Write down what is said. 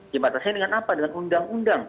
dibatasnya dengan apa dengan undang undang